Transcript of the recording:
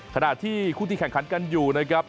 ขณะที่คู่ที่แข่งขันกันอยู่นะครับ